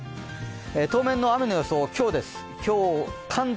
当面の雨の予想、今日、関東